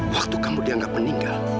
waktu kamu dianggap meninggal